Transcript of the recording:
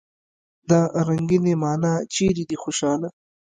دا رنګينې معنی چېرې دي خوشحاله!